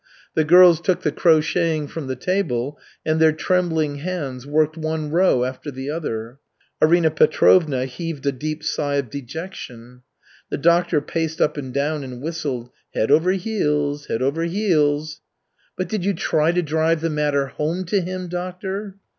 The girls took the crocheting from the table, and their trembling hands worked one row after the other. Arina Petrovna heaved a deep sigh of dejection. The doctor paced up and down the room and whistled, "Head over heels, head over heels." "But did you try to drive the matter home to him, doctor?"